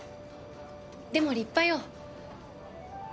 でも立派よ。